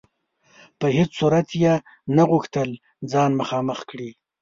په هیڅ صورت یې نه غوښتل ځان مخامخ کړي.